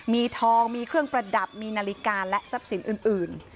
มีทองมีเครื่องประดับมีนาฬิกาและทรัพย์สินอื่น